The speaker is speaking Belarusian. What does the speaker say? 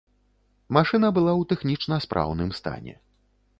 Машына была ў тэхнічна спраўным стане.